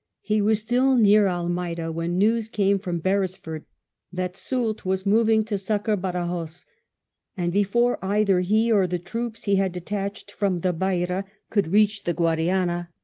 He was still near Almeida when news came from Beresford that Soult was moving to succour Badajos, and before either he or the troops he had detached from the Beira could reach the Guadiana, 152 WELLINGTON chap.